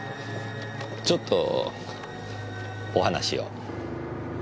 ちょっとお話を。